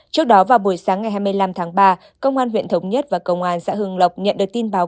trước đó vào buổi sáng ngày hai mươi năm tháng ba công an huyện thống nhất và công an xã hương lộc nhận được tin báo